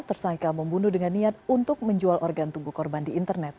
tersangka membunuh dengan niat untuk menjual organ tubuh korban di internet